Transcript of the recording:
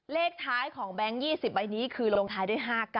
เลขท้ายของแบงค์๒๐ใบนี้คือลงท้ายด้วย๕๙